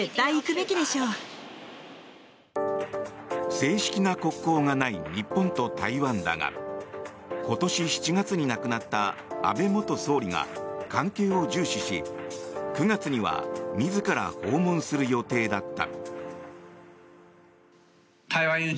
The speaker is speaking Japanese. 正式な国交がない日本と台湾だが今年７月に亡くなった安倍元総理が関係を重視し、９月には自ら訪問する予定だった。